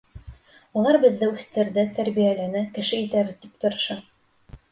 Улар беҙҙе үҫтерҙе, тәрбиәләне, кеше итәбеҙ тип тырыша.